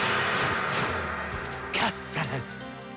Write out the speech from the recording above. かっさらう。